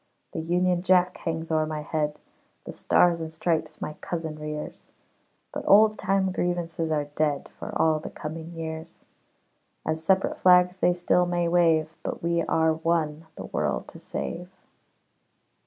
The "Union Jack" hangs o'er my head, The "Stars and Stripes" my cousin rears, But old time grievances are dead For all the coming years; As separate flags they still may wave, But we are one the world to save.